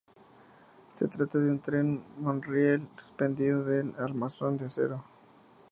Se trata de un tren monorriel suspendido de un armazón de acero.